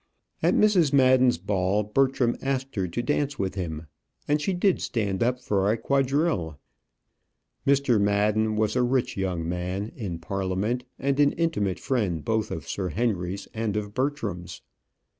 At Mrs. Madden's ball, Bertram asked her to dance with him, and she did stand up for a quadrille. Mr. Madden was a rich young man, in Parliament, and an intimate friend both of Sir Henry's and of Bertram's.